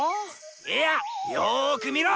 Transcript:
いやっよーく見ろ！